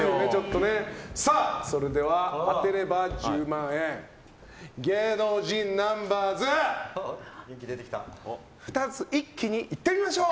それでは当てれば１０万円芸能人ナンバーズ２つ一気にいってみましょう。